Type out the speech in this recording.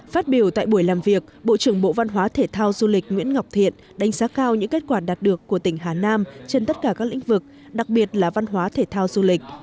phát biểu tại buổi làm việc bộ trưởng bộ văn hóa thể thao du lịch nguyễn ngọc thiện đánh giá cao những kết quả đạt được của tỉnh hà nam trên tất cả các lĩnh vực đặc biệt là văn hóa thể thao du lịch